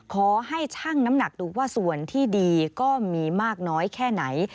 ขอให้ชั่งน้ำหนักดูว่าส่วนที่ดีก็มีมากน้อยแค่ไหน